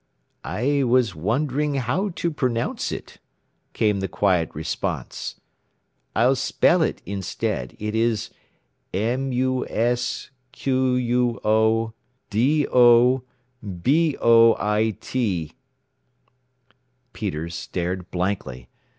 "I was wondering how to pronounce it," came the quiet response. "I'll spell it instead. It is, "'M U S Q U O D O B O I T.'" Peters stared blankly.